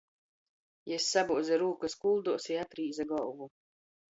Jis sabuoze rūkys kulduos i atrīze golvu.